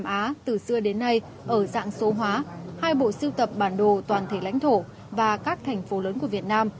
nam á từ xưa đến nay ở dạng số hóa hai bộ siêu tập bản đồ toàn thể lãnh thổ và các thành phố lớn của việt nam